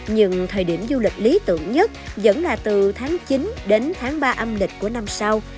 nhưng thời điểm du lịch lý tưởng nhất vẫn là từ tháng chín đến tháng ba âm lịch của năm sau